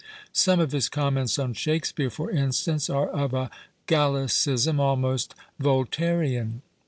Some of his comments on Shake speare, for instance, are of a Gallicism almost Vol tairean.